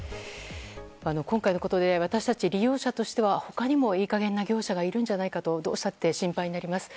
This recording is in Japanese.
今回のことで私たち利用者としては他にもいい加減な業者がいるんじゃないかとどうしたって心配になります。